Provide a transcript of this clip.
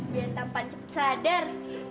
biar tampan cepet sadar